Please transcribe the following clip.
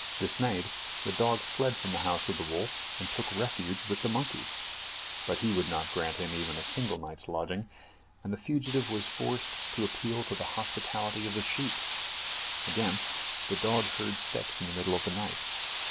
Dismayed, the dog fled from the house of the wolf, and took refuge with the monkey. But he would not grant him even a single night's lodging; and the fugitive was forced to appeal to the hospitality of the sheep. Again the dog heard steps in the middle of the night.